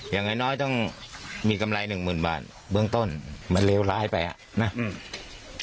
อย่างน้อยน้อยต้องมีกำไรหนึ่งหมื่นบาทเบื้องต้นมันเลวร้ายไปอ่ะนะอืม